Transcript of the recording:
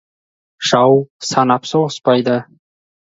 Жау санап соғыспайды.